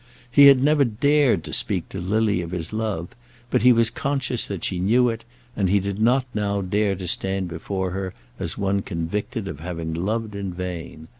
He had never dared to speak to Lily of his love, but he was conscious that she knew it, and he did not now dare to stand before her as one convicted of having loved in vain.